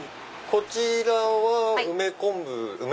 こちらは梅昆布。